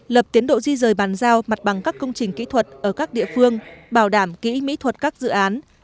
lập tiến độ di rời bàn giao mặt bằng các công trình kỹ thuật ở các địa phương bảo đảm kỹ mỹ thuật các dự án